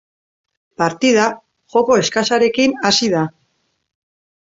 Partida joko eskasarekin hasi da.